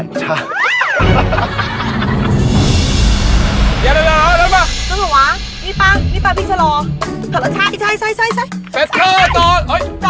ไปเร็ว